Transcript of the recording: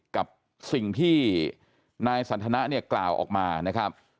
กับสิ่งที่นายสันทนะเนี่ยกล่าวออกมานะครับ